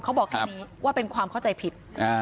บอกแค่นี้ว่าเป็นความเข้าใจผิด